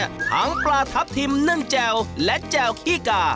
ทั้งปลาทับทิมนึ่งแจ่วและแจ่วขี้กา